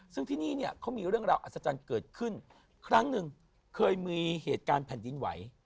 ซึ่งที่นี่เนี่ยเขามีเรื่องราวอัศจรรย์เกิดขึ้นครั้งหนึ่งเคยมีเหตุการณ์แผ่นดินไหว